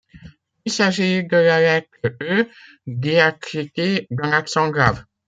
Il s’agit de la lettre Œ diacritée d’un accent grave.